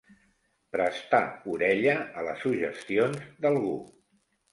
Prestar orella a les suggestions d'algú.